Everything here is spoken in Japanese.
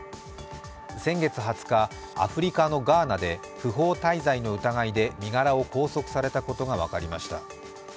先月２０日、アフリカのガーナで不法滞在の疑いで身柄を拘束されたことが分かりました。